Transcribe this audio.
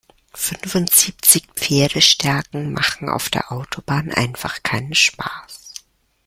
Fünfundsiebzig Pferdestärken machen auf der Autobahn einfach keinen Spaß.